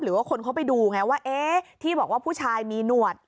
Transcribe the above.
หรือว่าคนเขาไปดูไงว่าเอ๊ะที่บอกว่าผู้ชายมีหนวด